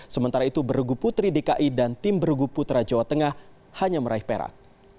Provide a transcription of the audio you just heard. sementara itu berguputri dki dan tim berguputra jawa tengah hanya meraih perak